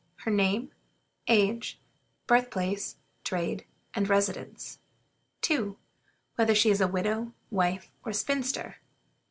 Her name, age, birth place, trade, and residence? 2. Whether she is a widow, wife, or spinster?